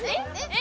え？